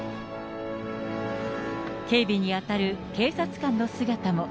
警備に当たる警察官の姿も。